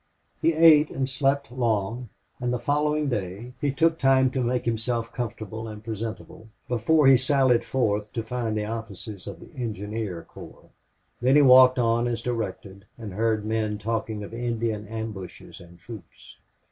He ate and slept long, and the following day he took time to make himself comfortable and presentable before he sallied forth to find the offices of the engineer corps. Then he walked on as directed, and heard men talking of Indian ambushes and troops.